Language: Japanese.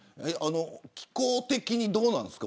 気候的にどうなんですか。